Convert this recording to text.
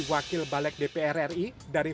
wakil balik dpr ri dari